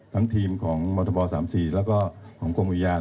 ทั้งทีมของบรรทธวะสามสี่แล้วก็ของกรมวิญญาณ